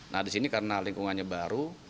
nah di sini karena lingkungannya baru